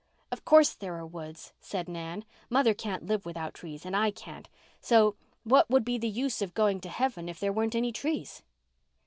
"Of course there are woods," said Nan. "Mother can't live without trees and I can't, so what would be the use of going to heaven if there weren't any trees?"